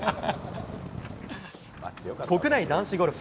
国内男子ゴルフ。